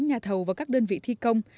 nhà thầu và các đơn vị thi công